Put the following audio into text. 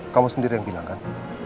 kamu sendiri yang bilang kan